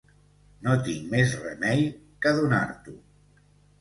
No tinc més remei que donar-t'ho.